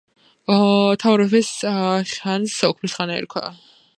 თამარმეფის ხანს ,,ოქროს ხანა" ერქვა